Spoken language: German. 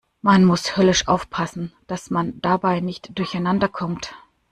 Man muss höllisch aufpassen, dass man dabei nicht durcheinander kommt.